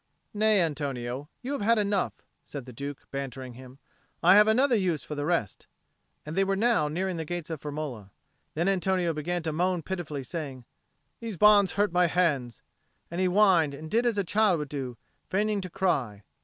"Nay, Antonio, you have had enough," said the Duke, bantering him. "I have another use for the rest." And they were now nearing the gates of Firmola. Then Antonio began to moan pitifully, saying, "These bonds hurt my hands;" and he whined and did as a child would do, feigning to cry.